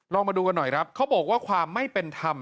มาดูกันหน่อยครับเขาบอกว่าความไม่เป็นธรรม